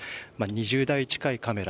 ２０台近いカメラ